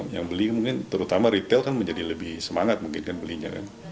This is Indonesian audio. yang beli mungkin terutama retail kan menjadi lebih semangat mungkin kan belinya kan